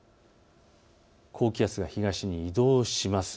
高気圧が東へ移動します。